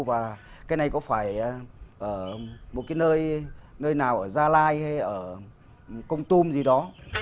và cái này có phải ở một cái nơi nào ở gia lai hay ở công tùm gì đó